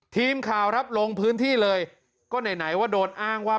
ทีมข่าวครับลงพื้นที่เลยก็ไหนไหนว่าโดนอ้างว่า